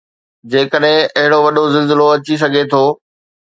جيڪڏهن اهڙو وڏو زلزلو اچي سگهي ٿو.